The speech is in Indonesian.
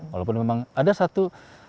walaupun memang ada satu